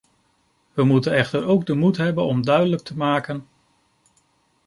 We moeten echter ook de moed hebben om duidelijk te maken, ...